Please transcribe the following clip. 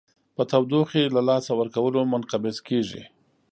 په تودوخې له لاسه ورکولو منقبض کیږي.